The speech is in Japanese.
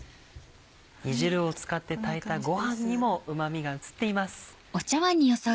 煮汁を使って炊いたごはんにもうま味が移っています。